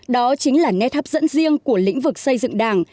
đó chính là nét hấp dẫn riêng của lĩnh vực xây dựng đảng